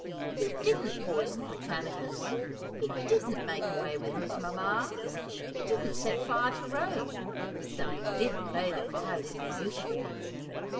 He didn't poison Britannicus ; he didn't make away with his mamma ; he didn't set fire to Rome, though he did play the violin beautifully.